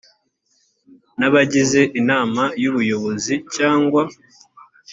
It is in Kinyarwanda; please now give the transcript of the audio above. n abagize inama y ubuyobozi cyangwa